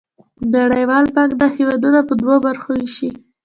نړیوال بانک دا هېوادونه په دوه برخو ویشي.